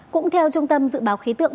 cũng theo trung tâm dự báo khí tượng